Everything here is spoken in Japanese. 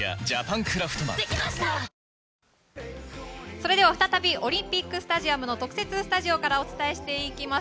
それでは再びオリンピックスタジアムの特設スタジオからお伝えしていきます。